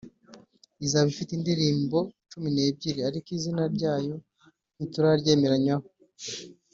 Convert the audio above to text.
izaba ifite indirimbo cumi n’ebyiri ariko izina ryayo ntituraryemeranyaho